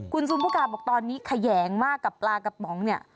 คุณซุมภากาบอกตอนนี้แขยงมากกับปลากระป๋องเนี่ย